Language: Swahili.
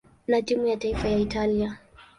na timu ya taifa ya Italia.